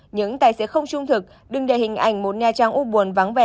những tài xế không trung thực đừng để hình ảnh một nha trang u buồn vắng vẻ